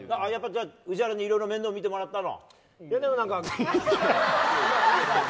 宇治原にいろいろ面倒見てもらったの？